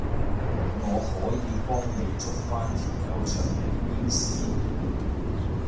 我可以幫你捉返條友出嚟鞭屍